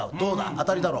当たりだろ？